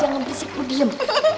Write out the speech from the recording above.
jangan pisik lo diem